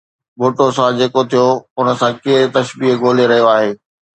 ڀُٽو سان جيڪو ٿيو ان سان ڪير تشبيهه ڳولي رهيو آهي؟